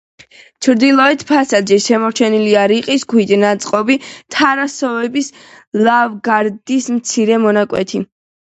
ჩრდილოეთ ფასადზე შემორჩენილია რიყის ქვით ნაწყობი, თაროსებრი ლავგარდნის მცირე მონაკვეთი.